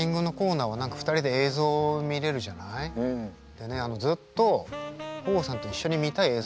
でねずっと豊豊さんと一緒に見たい映像があったの。